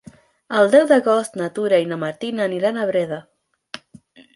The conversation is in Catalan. El deu d'agost na Tura i na Martina aniran a Breda.